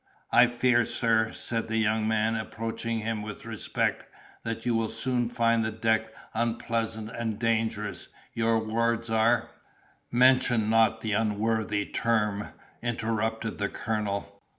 "I fear, sir," said the young man, approaching him with respect, "that you will soon find the deck unpleasant and dangerous: your wards are"— "Mention not the unworthy term!" interrupted the colonel.